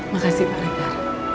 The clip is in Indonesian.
makasih pak rekhar